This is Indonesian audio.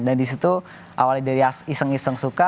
dan disitu awalnya dari iseng iseng suka